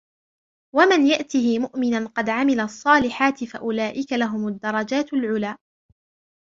وَمَنْ يَأْتِهِ مُؤْمِنًا قَدْ عَمِلَ الصَّالِحَاتِ فَأُولَئِكَ لَهُمُ الدَّرَجَاتُ الْعُلَى